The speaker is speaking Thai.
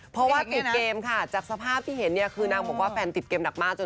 เพราะว่าติดเกมค่ะจากสภาพที่เห็นเนี่ยคือนางบอกว่าแฟนติดเกมหนักมากจน